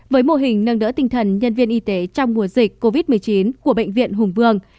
với mô hình nâng đỡ tinh thần nhân viên y tế trong mùa dịch covid một mươi chín của bệnh viện hùng vương